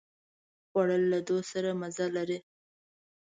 خوړل له دوست سره مزه لري